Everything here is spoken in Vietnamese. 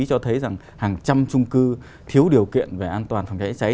cho thấy rằng hàng trăm trung cư thiếu điều kiện về an toàn phòng cháy cháy